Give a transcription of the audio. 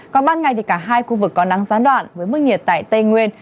còn ban ngày thì cả hai khu vực có nắng gián đoạn với mức nhiệt tại tây nguyên